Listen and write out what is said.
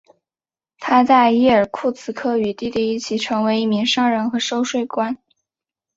他在伊尔库茨克与弟弟一起成为一名商人和收税官。